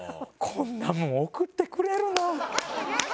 こんなもん送ってくれるな。